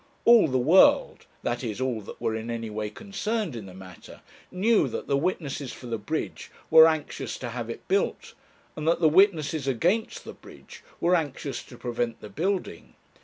All the world that is, all that were in any way concerned in the matter knew that the witnesses for the bridge were anxious to have it built, and that the witnesses against the bridge were anxious to prevent the building.